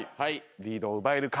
リードを奪えるか。